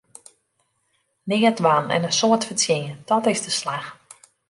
Neat dwaan en in soad fertsjinje, dàt is de slach!